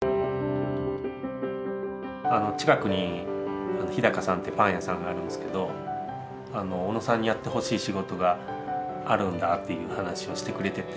近くにＨＩＤＡＫＡさんってパン屋さんがあるんですけど小野さんにやってほしい仕事があるんだっていう話をしてくれてて。